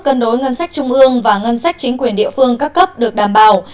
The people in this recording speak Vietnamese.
cân đối ngân sách trung ương và ngân sách chính quyền địa phương các cấp được đảm bảo